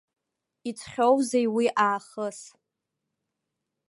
Иҵхьоузеи уи аахыс?